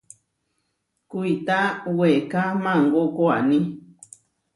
Kuitá weeká maangó koaní.